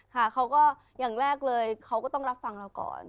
ค่ะเขาก็อย่างแรกเลยเขาก็ต้องรับฟังเราก่อน